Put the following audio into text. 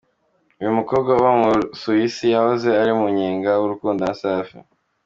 Uyu mukobwa uba mu Busuwisi yahoze ari mu munyenga w’urukundo na Safi.